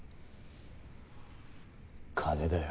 金だよ。